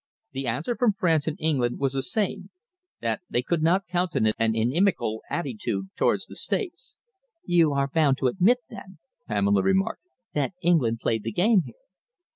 The answer from France and England was the same that they could not countenance an inimical attitude towards the States." "You are bound to admit, then," Pamela remarked, "that England played the game here."